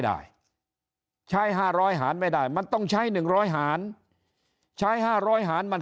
ได้ใช้๕๐๐หารไม่ได้มันต้องใช้๑๐๐หารใช้๕๐๐หารมัน